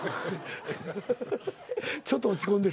ちょっと落ち込んでる？